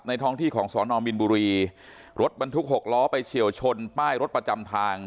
ในฐองที่ของศรอมบิลบูรีฯรถบรรทุกอบหล้อไปเฉี่ยวชนป้ายรถประจำทาง